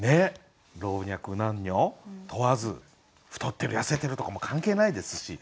老若男女問わず太ってる痩せてるとかも関係ないですし。